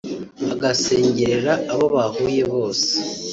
agasengerera abo bahuye bose